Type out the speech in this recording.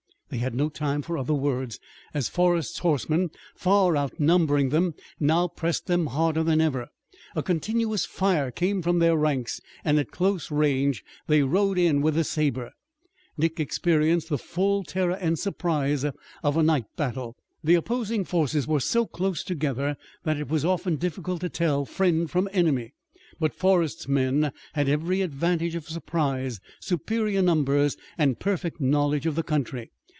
They had no time for other words, as Forrest's horsemen, far outnumbering them, now pressed them harder than ever. A continuous fire came from their ranks and at close range they rode in with the sabre. Dick experienced the full terror and surprise of a night battle. The opposing forces were so close together that it was often difficult to tell friend from enemy. But Forrest's men had every advantage of surprise, superior numbers and perfect knowledge of the country.